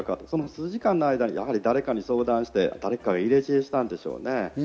数時間の間に誰かに相談して入れ知恵したんでしょうね。